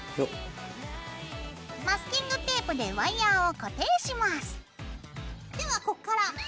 マスキングテープでワイヤーを固定します。